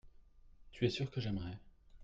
Tu es sûr que j’aimerais.